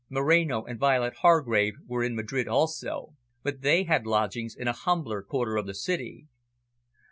Moreno and Violet Hargrave were in Madrid also, but they had lodgings in a humbler quarter of the city.